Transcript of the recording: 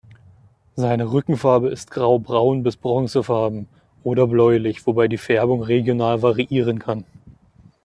Seine Rückenfarbe ist grau-braun bis bronzefarben oder bläulich, wobei die Färbung regional variieren kann.